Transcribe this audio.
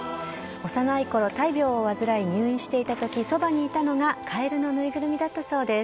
幼いころ大病を患い入院していたとき、そばにいたのが、カエルの縫いぐるみだったそうです。